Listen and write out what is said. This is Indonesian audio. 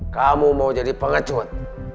kamu mau jadi pengecut